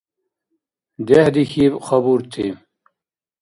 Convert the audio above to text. ДехӀдихьиб хабурти.